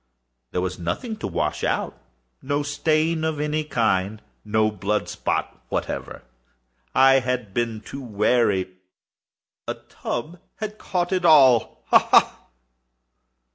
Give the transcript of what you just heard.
There was nothing to wash out—no stain of any kind—no blood spot whatever. I had been too wary for that. A tub had caught all—ha! ha!